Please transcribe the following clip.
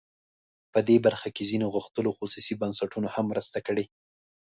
په دې برخه کې ځینو غښتلو خصوصي بنسټونو هم مرستې کړي.